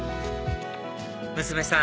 娘さん